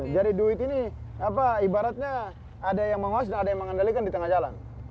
jadi duit ini ibaratnya ada yang mengawas dan ada yang mengandalkan di tengah jalan